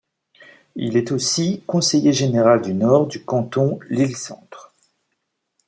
Il est aussi conseiller général du Nord du canton Lille-centre.